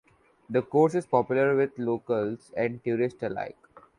The course is popular with locals and tourists alike.